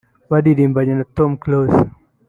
baririmbanye na Tom Close